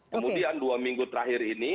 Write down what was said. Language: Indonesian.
kemudian dua minggu terakhir ini